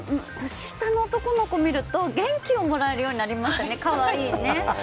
年下の男の子を見ると元気をもらえるようになりました。